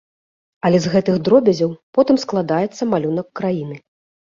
Але з гэтых дробязяў потым складаецца малюнак краіны.